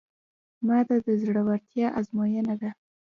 ماته د زړورتیا ازموینه ده.